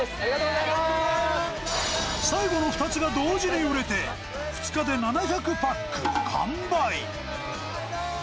最後の２つが同時に売れて、２日で７００パック完売。